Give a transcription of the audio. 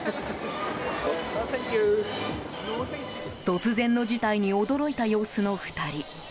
突然の事態に驚いた様子の２人。